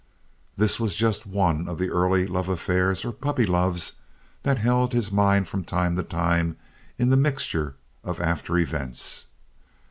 This was just one of the early love affairs, or puppy loves, that held his mind from time to time in the mixture of after events.